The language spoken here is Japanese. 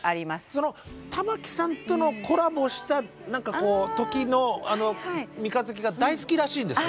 その玉置さんとのコラボした時の「三日月」が大好きらしいんですね。